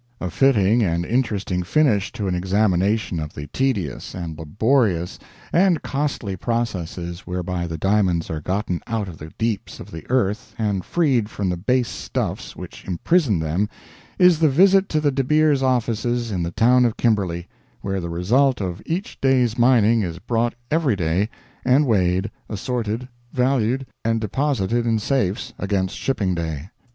A fitting and interesting finish to an examination of the tedious and laborious and costly processes whereby the diamonds are gotten out of the deeps of the earth and freed from the base stuffs which imprison them is the visit to the De Beers offices in the town of Kimberley, where the result of each day's mining is brought every day, and, weighed, assorted, valued, and deposited in safes against shipping day.